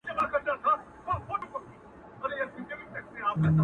• شا او مخي ته یې ووهل زورونه-